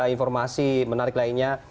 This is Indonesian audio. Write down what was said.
informasi menarik lainnya